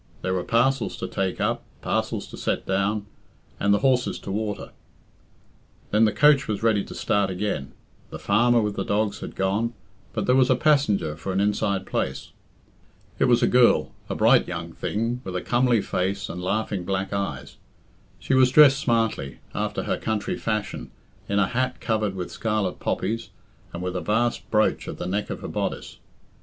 There were parcels to take up, parcels to set down, and the horses to water. When the coach was ready to start again, the farmer with his dogs had gone, but there was a passenger for an inside place. It was a girl, a bright young thing, with a comely face and laughing black eyes. She was dressed smartly, after her country fashion, in a hat covered with scarlet poppies, and with a vast brooch at the neck of her bodice.